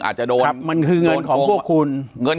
ปากกับภาคภูมิ